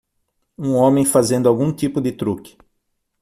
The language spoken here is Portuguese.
Um homem fazendo algum tipo de truque.